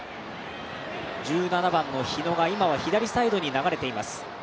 １７番の日野が左サイドに流れています。